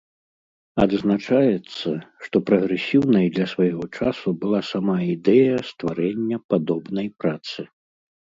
Адзначаецца, што прагрэсіўнай для свайго часу была сама ідэя стварэння падобнай працы.